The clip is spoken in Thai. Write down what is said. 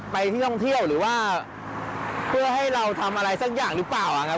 ไปที่ท่องเที่ยวหรือว่าเพื่อให้เราทำอะไรสักอย่างหรือเปล่านะครับ